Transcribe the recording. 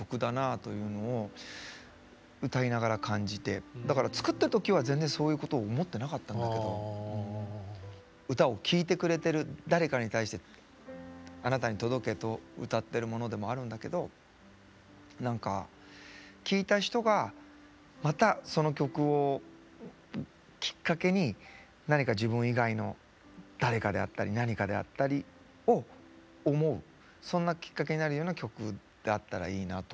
だけどだから作った時は全然そういうことを思ってなかったんだけど歌を聴いてくれてる誰かに対してあなたに届けと歌ってるものでもあるんだけど何か聴いた人がまたその曲をきっかけに何か自分以外の誰かであったり何かであったりを思うそんなきっかけになるような曲であったらいいなと。